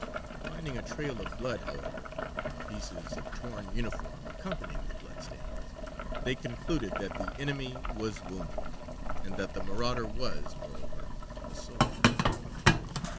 Finding a trail of blood, however, and pieces of torn uniform accompanying the bloodstains, they concluded that the enemy was wounded, and that the marauder was, moreover, a soldier.